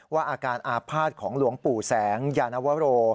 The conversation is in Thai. อาการอาภาษณ์ของหลวงปู่แสงยานวโร